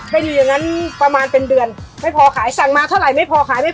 เป็นอยู่อย่างนั้นประมาณเป็นเดือนไม่พอขายสั่งมาเท่าไหร่ไม่พอขายได้